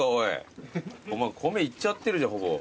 お前米いっちゃってるじゃんほぼ。